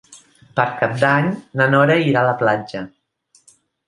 Per Cap d'Any na Nora irà a la platja.